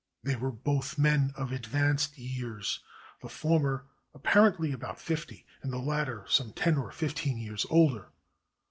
They were both men of advanced years, the former apparently about fifty, and the latter some ten or fifteen years older.